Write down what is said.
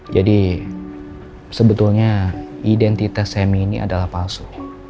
jadi sebetulnya identitas sammy ini adalah palsu